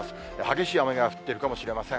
激しい雨が降っているかもしれません。